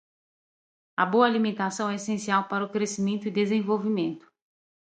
A boa alimentação é essencial para o crescimento e desenvolvimento.